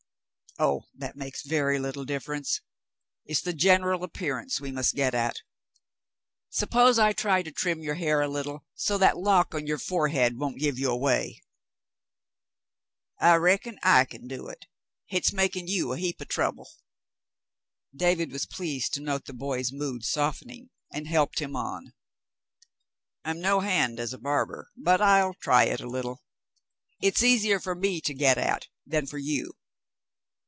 "Oh, that makes very little difference. It's the general appearance we must get at. Suppose I try to trim your hair a little so that lock on your forehead won't give you away.'* 59 60 The Mountain Girl "I reckon I can do it. Hit's makin' you a heap o' trouble." David was pleased to note the boy's mood softening, and helped him on. "I'm no hand as a barber, but I'll try it a little; it's easier for me to get at than for you."